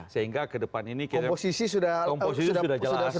sehingga kedepan ini komposisi sudah jelas